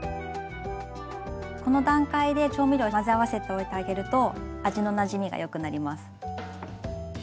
この段階で調味料混ぜ合わせておいてあげると味のなじみがよくなります。